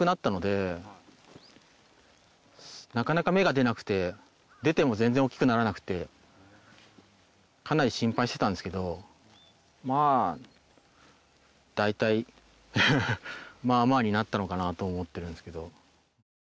なかなか芽が出なくて出ても全然大きくならなくてかなり心配してたんですけどまあ大体ハハハまあまあになったのかなと思ってるんですけど。